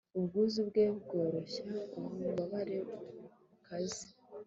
ubwuzu bwe bworoshya ubu bubabare bukaze